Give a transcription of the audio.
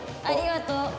ありがとう。